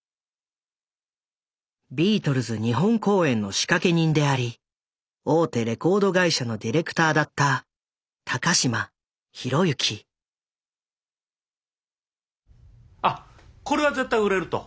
ビートルズ日本公演の仕掛け人であり大手レコード会社のディレクターだったあっこれは絶対売れると。